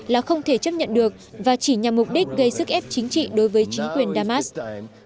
là không thể chấp nhận được và chỉ nhằm mục đích gây sức ép chính trị đối với chính quyền damas